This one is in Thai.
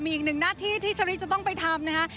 มีอีกหนึ่งหน้าที่ที่เชอรี่จะต้องไปทำนะคะ